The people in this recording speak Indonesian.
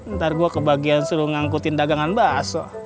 ntar gue kebagian suruh ngangkutin dagangan baso